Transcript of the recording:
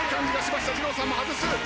じろうさんも外す。